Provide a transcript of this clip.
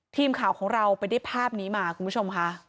ทีมข่าวของเราไปได้ภาพนี้มาคุณผู้ชมค่ะ